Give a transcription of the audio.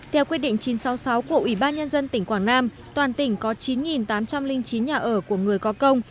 theo quyết định chín trăm sáu mươi sáu của ủy ban nhân dân tỉnh quảng nam toàn tỉnh có chín tám trăm linh chín nhà ở của người có công